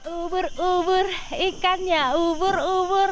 ubur ubur ikannya ubur ubur